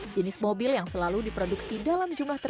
jenis mobil yang selalu diproduksi dalam jumlah tersebut